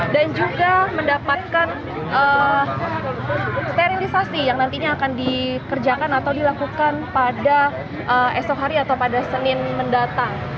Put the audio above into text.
juga mendapatkan sterilisasi yang nantinya akan dikerjakan atau dilakukan pada esok hari atau pada senin mendatang